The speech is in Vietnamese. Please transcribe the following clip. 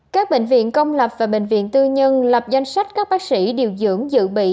các bệnh viện công lập và bệnh viện tư nhân lập danh sách các bác sĩ điều dưỡng dự bị